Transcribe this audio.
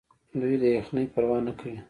دوی د یخنۍ پروا نه کوي.